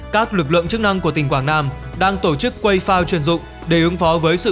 các lực lượng chức năng của tỉnh quảng nam đang tổ chức quay phao chuyên dụng để ứng phó với sự